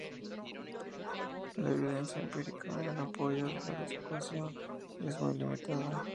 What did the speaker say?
La evidencia empírica en apoyo de la disuasión es muy limitada.